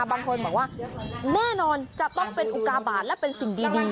บางคนบอกว่าแน่นอนจะต้องเป็นอุกาบาทและเป็นสิ่งดี